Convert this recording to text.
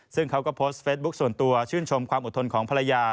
ซึ่งเขาก็โพสต์เฟซบุ๊คส่วนตัวชื่นชมความอดทนของภรรยา